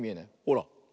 ほら。